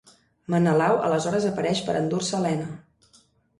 Menelau aleshores apareix per endur-se Helena.